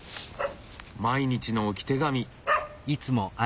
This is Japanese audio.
毎日の置き手紙。